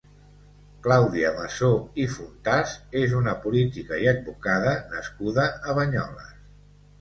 Clàudia Massó i Fontàs és una política i advocada nascuda a Banyoles.